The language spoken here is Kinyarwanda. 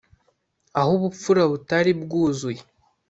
aho ubupfura butari bwuzuye